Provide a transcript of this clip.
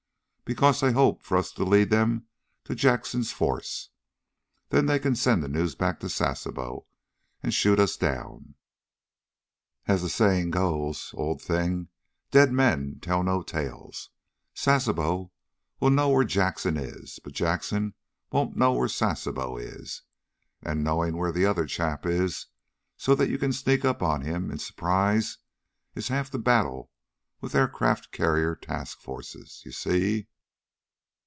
Because they hope for us to lead them to Jackson's force. Then they can send the news back to Sasebo, and shoot us down. As the saying goes, old thing, dead men tell no tales. Sasebo will know where Jackson is, but Jackson won't know where Sasebo is. And knowing where the other chap is, so that you can sneak up on him in surprise, is half the battle with aircraft carrier task forces, you see?"